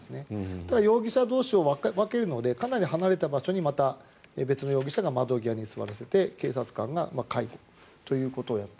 ただ、容疑者同士を分けるのでかなり離れた場所にまた別の容疑者を窓際に座らせて警察官が警護ということ。